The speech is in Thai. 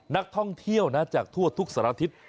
นักท่องเที่ยวจากทั่วทุกสันอาทิตย์